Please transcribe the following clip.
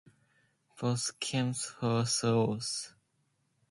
Both schemes fell through.